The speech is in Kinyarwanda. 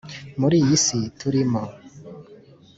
muri iyi si turimo.